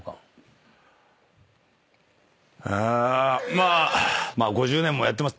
まあ５０年もやってます。